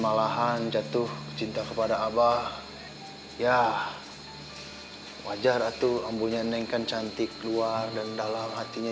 perlahan jatuh cinta kepada abah ya wajar atuh ampunya neng kan cantik luar dan dalam hatinya